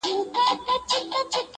له باڼو تر ګرېوانه د اوښكو كور دئ-